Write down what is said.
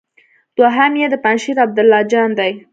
دوهم يې د پنجشېر عبدالله جان دی.